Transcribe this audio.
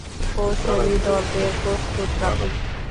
কৌশলী দলদের প্রস্তুত রাখুন।